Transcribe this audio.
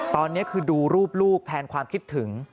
ตอนนี้คือดูรูปลูกแทนความคิดถึง